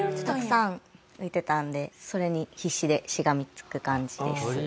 たくさん浮いてたのでそれに必死でしがみつく感じです。